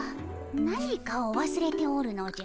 何かをわすれておるのじゃ。